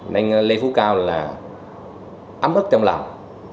nên lê phú cao là ấm ức trong lòng